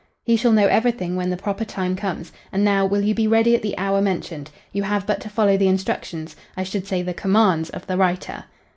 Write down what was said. "He shall know everything when the proper time comes. And now, will you be ready at the hour mentioned. You have but to follow the instructions I should say, the commands of the writer."